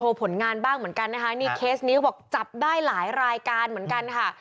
ผลงานบ้างเหมือนกันนะคะนี่เคสนี้ก็บอกจับได้หลายรายการเหมือนกันค่ะ